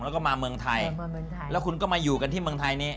แล้วก็มาเมืองไทยมาเมืองไทยแล้วคุณก็มาอยู่กันที่เมืองไทยนี้